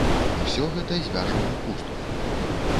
Усё гэта звяжам у хустку.